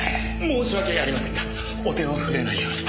申し訳ありませんがお手を触れないように。